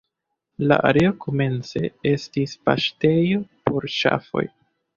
La areo komence estis paŝtejo por ŝafoj.